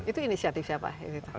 itu inisiatif siapa